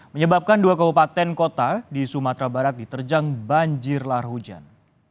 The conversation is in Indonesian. menyebabkan dua kabupaten kota di sumatera barat diterjang banjir lahar hujan